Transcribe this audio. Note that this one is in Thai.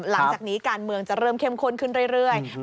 หลังจากนี้การเมืองจะเริ่มเข้มข้นขึ้นเรื่อย